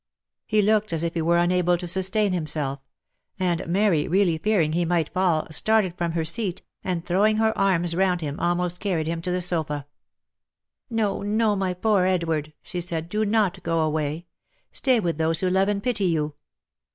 He looked as if he were unable to sustain himself; and Mary, really fearing he might fall, started from her seat, and throwing her arms round him, almost carried him to the sofa. " No, no, my poor Edward !" she said, " do not go away. Stay with those who love and pity you